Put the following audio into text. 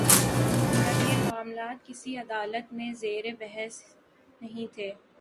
جب یہ معاملات کسی عدالت میں زیر بحث ہی نہیں تھے۔